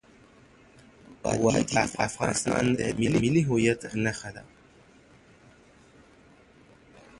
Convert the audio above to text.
وادي د افغانستان د ملي هویت نښه ده.